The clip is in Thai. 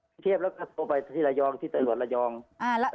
กรุงเทพแล้วก็โทรไปที่ระยองที่ตำรวจระยอง